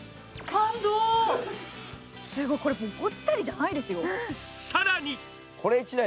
すごいこれ、ぽっちゃりじゃないですよ。